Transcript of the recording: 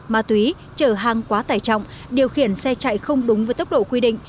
ma túy chở hàng quá tài trọng điều khiển xe chạy không đúng với tốc độ quy định